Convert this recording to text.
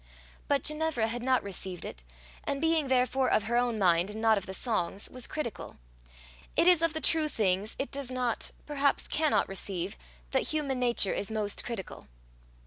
But Ginevra had not received it, and being therefore of her own mind, and not of the song's, was critical. It is of the true things it does not, perhaps cannot receive, that human nature is most critical.